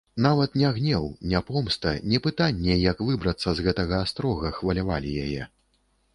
Нават не гнеў, не помста, не пытанне, як выбрацца з гэтага астрога, хвалявалі яе.